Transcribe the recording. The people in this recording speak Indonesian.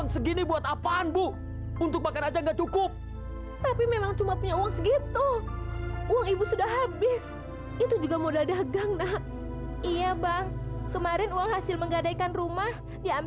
sampai jumpa di video selanjutnya